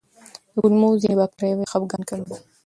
د کولمو ځینې بکتریاوې خپګان کموي.